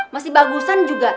masih bagusan juga